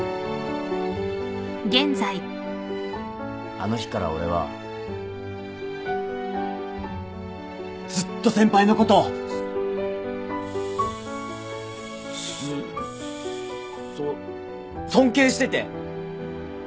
あの日から俺はずっと先輩のことすっそっ尊敬してて。